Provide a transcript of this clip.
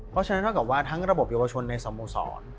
เพราะฉะนั้นทั้งระบบยกวชนในสโมสร